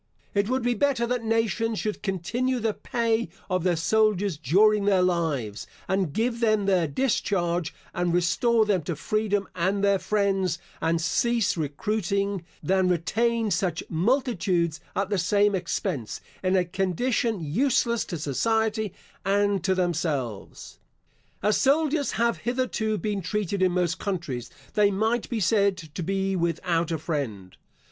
It would be better that nations should wi continue the pay of their soldiers during their lives, and give them their discharge and restore them to freedom and their friends, and cease recruiting, than retain such multitudes at the same expense, in a condition useless to society and to themselves. As soldiers have hitherto been treated in most countries, they might be said to be without a friend.